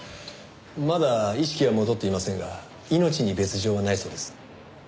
まだ意識は戻っていませんが命に別条はないそうです。